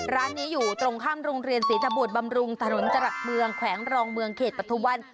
ร้านนี้อยู่ตรงข้ามโรงเรียนศรีทบุตรบำรุงถนนจรัสเมืองแขวงรองเมืองเขตปฐุมวัน